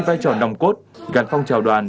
vai trò nòng cốt gắn phong trào đoàn